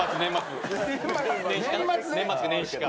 年末か年始か。